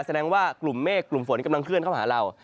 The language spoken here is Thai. แสดงว่ากลุ่มเมฆกลุ่มฝนกำลังเคลื่อนเข้าหาเรา